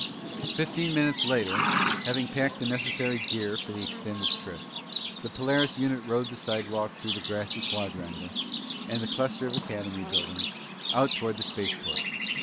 Fifteen minutes later, having packed the necessary gear for the extended trip, the Polaris unit rode the slidewalk through the grassy quadrangle and the cluster of Academy buildings, out toward the spaceport.